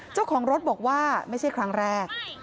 เจ้าของรถบอกว่าไม่ใช่ครั้งแรก